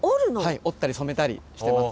はい織ったり染めたりしてます。